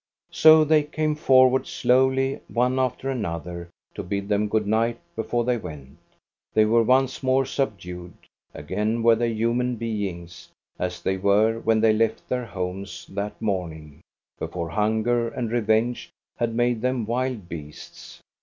So they came forward slowly, one after another, to bid them good night before they went. They were once more subdued; again were they human beings, as they were when they left their homes that morning, before hunger and revenge had made them wild beasts.